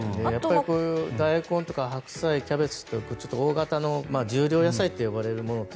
大根とか白菜、キャベツとか大型の重量野菜と呼ばれるもの。